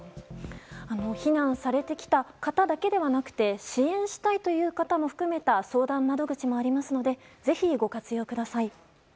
避難されてきた方だけではなく支援したいという方も含めた相談窓口もありますのでぜひ、ご活用ください。